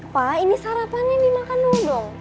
pa ini sarapan yang dimakan lo dong